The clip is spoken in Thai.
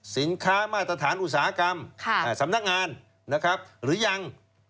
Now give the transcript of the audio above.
สินค้ามาตรฐานอุตสาหกรรมสำนักงานนะครับหรือยัง